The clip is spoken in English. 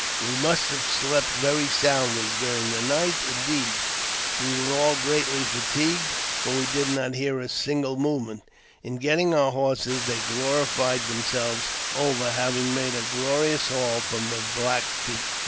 We must have slept very soundly during the night ; indeed, we were greatly fatigued, for we did not hear a single movement. Ii getting our horses, they glorified themselves over havim made a glorious haul from the Black Feet.